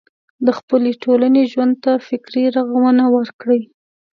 د خپلې ټولنې ژوند ته فکري روغونه ورکړي.